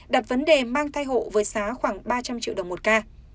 đặt vấn đề mang thai hộ với giá khoảng ba trăm linh triệu đồng một ca